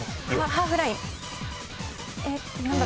ハーフライン。